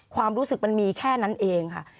ความรู้สึกมันมีแค่นั้นเองค่ะ